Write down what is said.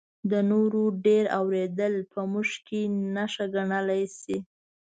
د نورو ډېر اورېدل په موږ کې نښه ګڼلی شي.